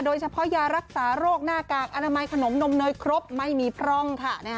โดยเฉพาะยารักษาโรคหน้ากากอนามัยขนมนมเนยครบไม่มีพร่องค่ะ